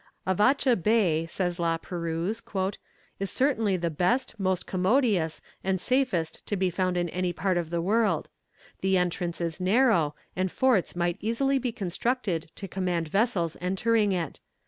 "Avatscha Bay," says La Perouse, "is certainly the best, most commodious, and safest to be found in any part of the world. The entrance is narrow, and forts might easily be constructed to command vessels entering it.